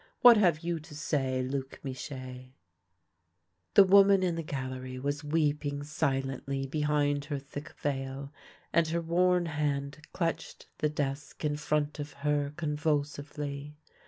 What have you to say, Luc Michee ?" The woman in the gallery was weeping silently be hind her thick veil, and her worn hand clutched the desk in front of her convulsively.